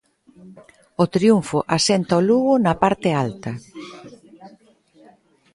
O triunfo asenta o Lugo na parte alta.